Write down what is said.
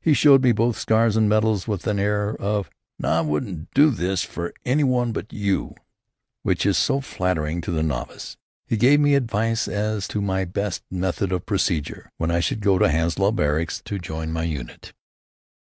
He showed me both scars and medals with that air of "Now I would n't do this for any one but you" which is so flattering to the novice. He gave me advice as to my best method of procedure when I should go to Hounslow Barracks to join my unit.